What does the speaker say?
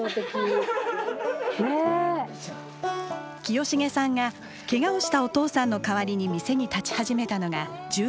清重さんがケガをしたお父さんの代わりに店に立ち始めたのが１８歳。